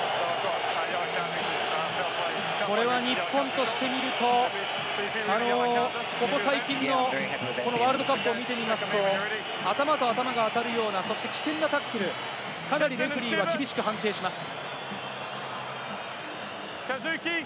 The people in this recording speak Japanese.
これは日本として見ると、ここ最近のワールドカップを見ていると、頭と頭が当たるような危険なタックル、かなりレフェリーは厳しく判定します。